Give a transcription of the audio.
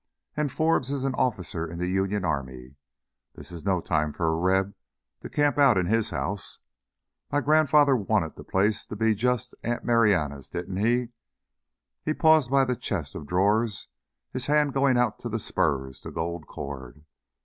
And Forbes is an officer in the Union Army. This is no time for a Reb to camp out in his house. My grandfather wanted the place to be just Aunt Marianna's, didn't he?" He paused by the chest of drawers, his hand going out to the spurs, the gold cord.